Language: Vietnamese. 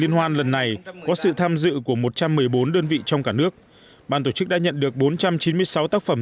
liên hoan lần này có sự tham dự của một trăm một mươi bốn đơn vị trong cả nước bàn tổ chức đã nhận được bốn trăm chín mươi sáu tác phẩm